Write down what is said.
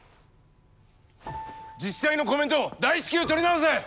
自治体のコメント大至急取り直せ！